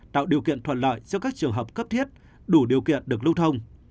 tạo điều kiện thuận lợi cho các trường hợp cấp thiết đủ điều kiện được lưu thông